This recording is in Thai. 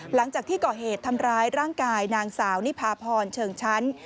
หลังจากที่ก่อเหตุทำร้ายร่างกายนางสาวนิพาพรเชิงชั้น